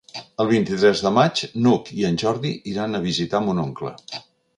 El vint-i-tres de maig n'Hug i en Jordi iran a visitar mon oncle.